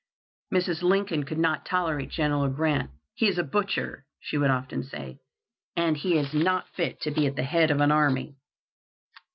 Mrs. Lincoln could not tolerate General Grant. "He is a butcher," she would often say, "and is not fit to be at the head of an army."